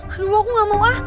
aduh aku gak mau ah